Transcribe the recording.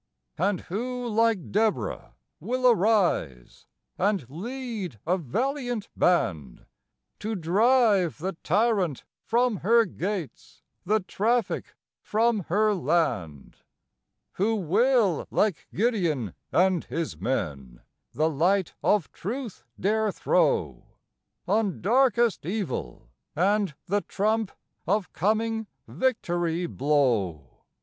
And who, like Deborah, will arise and lead a valiant band To drive the Tyrant from her gates, the Traffic from her land? Who will, like Gideon and his men, the light of truth dare throw On darkest evil, and the trump of coming victory blow?